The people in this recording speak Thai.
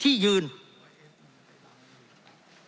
เพราะเรามี๕ชั่วโมงครับท่านนึง